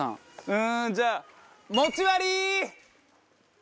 うーんじゃあ。